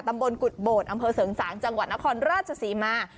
ตำบลกุฎโบดอำเภอเสริงสางจังหวัดนครราชศรีมา